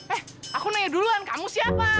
eh aku nanya duluan kamu siapa